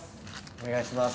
お願いします。